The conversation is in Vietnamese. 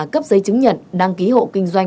cấp giấy chứng nhận đăng ký hộ kinh doanh